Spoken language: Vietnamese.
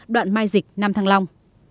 đoạn mai dịch nam thăng long